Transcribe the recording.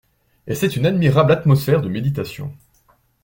Et c'est une admirable atmosphère de méditation.